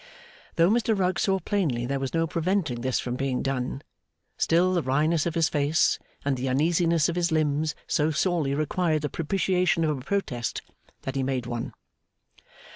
Though Mr Rugg saw plainly there was no preventing this from being done, still the wryness of his face and the uneasiness of his limbs so sorely required the propitiation of a Protest, that he made one.